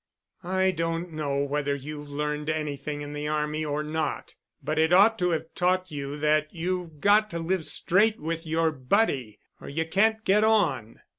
"I don't know whether you've learned anything in the army or not. But it ought to have taught you that you've got to live straight with your buddy or you can't get on."